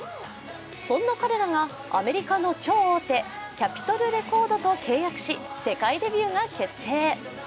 そんな彼らがアメリカの超大手、キャピトル・レコードと契約し世界デビューが決定。